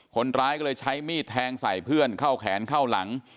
คนร้ายก็เลยใช้มีดแทงใส่เพื่อนเข้าแขนเข้าหลัง